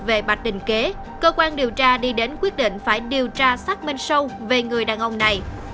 về bạch đình kế cơ quan điều tra đi đến quyết định phải điều tra xác minh sâu về người đàn ông này